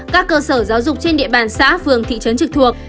các cơ sở giáo dục trên địa bàn xã phường thị trấn trực thuộc